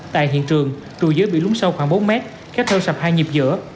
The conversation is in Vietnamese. tại hiện trường trụ dưới bị lúng sâu khoảng bốn m kéo theo sập hai nhịp dữa